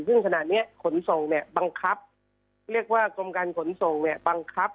ซึ่งขณะนี้ขนส่งบังคับเรียกว่ากรมการขนส่งบังคับ